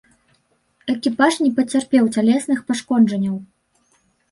Экіпаж не пацярпеў цялесных пашкоджанняў.